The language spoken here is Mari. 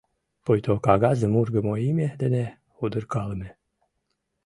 Пуйто кагазым ургымо име дене удыркалыме.